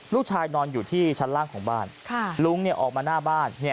นอนอยู่ที่ชั้นล่างของบ้านลุงออกมาหน้าบ้าน